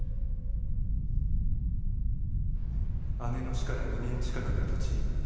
「姉の死から２年近くが経ち